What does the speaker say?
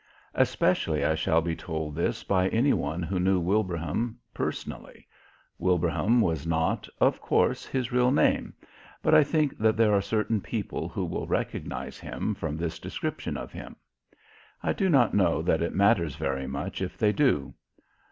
Especially I shall be told this by any one who knew Wilbraham personally. Wilbraham was not, of course, his real name, but I think that there are certain people who will recognize him from this description of him. I do not know that it matters very much if they do.